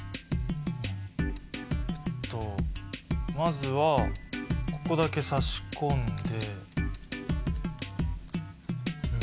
えっとまずはここだけ差し込んで。